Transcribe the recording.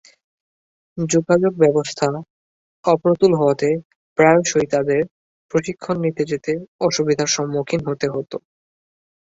যোগাযোগ ব্যবস্থা অপ্রতুল হওয়াতে, প্রায়শই তাঁদের প্রশিক্ষন নিতে যেতে অসুবিধার সম্মুখীন হতে হত।